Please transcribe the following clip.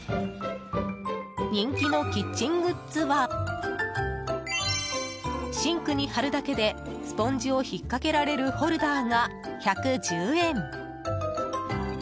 人気のキッチングッズはシンクに貼るだけでスポンジを引っかけられるホルダーが１１０円。